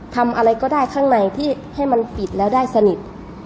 ทำอะไรก็ได้ข้างในที่ให้มันปิดแล้วได้สนิท